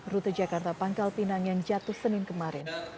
rute jakarta pangkal pinang yang jatuh senin kemarin